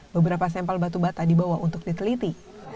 beberapa sampel batu bata dibawa untuk diteliti